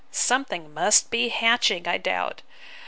Something must be hatching, I doubt!